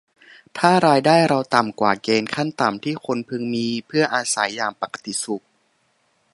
ถ้ารายได้เราต่ำกว่าเกณฑ์ขั้นต่ำที่คนพึงมีเพื่ออาศัยอย่างปกติสุข